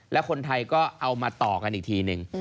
แล้วคนไทยก็เอามาต่อกันอีกทีนึง